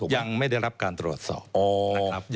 ยังไม่ได้รับการตรวจสอบ